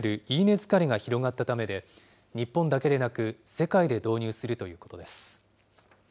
疲れが広がったためで、日本だけでなく世界で導入するということです。